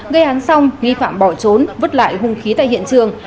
gây án xong nghi phạm bỏ trốn vứt lại hung khí tại hiện trường